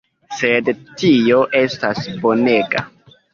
Sed tio estas bonega!